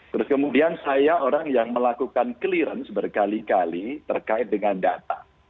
terus kemudian saya orang yang melakukan clearance berkali kali terkait dengan data